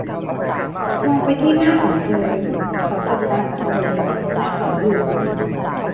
มองไปที่หน้าของเธอ เขาสบตากับเธอ และเขาหยุด